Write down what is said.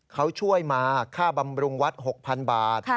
เขาช่วยมาค่าบำรุงวัด๖๐๐๐บาท